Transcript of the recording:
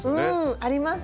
あります。